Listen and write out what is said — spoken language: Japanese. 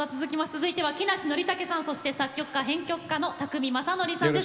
続いては木梨憲武さんそして作曲家編曲家の宅見将典さんです。